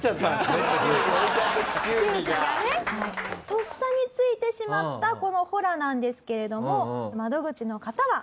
とっさについてしまったこのホラなんですけれども窓口の方は。